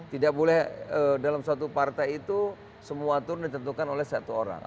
tidak boleh dalam suatu partai itu semua turun ditentukan oleh satu orang